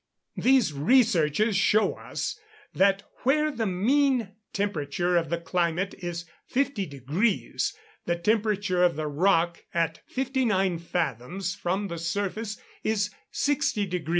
These researches show us, that where the mean temperature of the climate is 50 deg., the temperature of the rock at 59 fathoms from the surface is 60 deg.